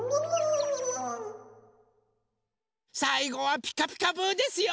さいごは「ピカピカブ！」ですよ。